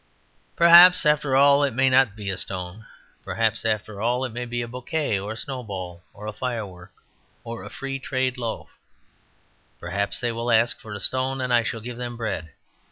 Perhaps, after all, it may not be a stone. Perhaps, after all, it may be a bouquet, or a snowball, or a firework, or a Free Trade Loaf; perhaps they will ask for a stone and I shall give them bread.